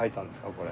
これ。